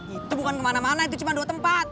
itu bukan kemana mana itu cuma dua tempat